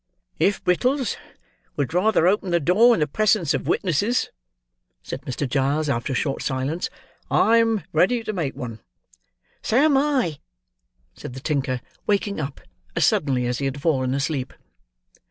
"If Brittles would rather open the door, in the presence of witnesses," said Mr. Giles, after a short silence, "I am ready to make one." "So am I," said the tinker, waking up, as suddenly as he had fallen asleep.